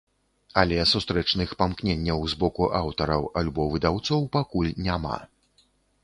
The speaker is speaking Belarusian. Але сустрэчных памкненняў з боку аўтараў альбо выдаўцоў пакуль няма.